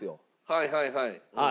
はいはいはい。